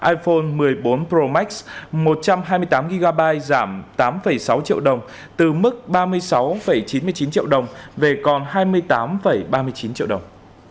iphone một mươi bốn pro max một trăm hai mươi tám gb giảm tám sáu triệu đồng từ mức ba mươi sáu chín mươi chín triệu đồng về còn hai mươi tám ba mươi chín triệu đồng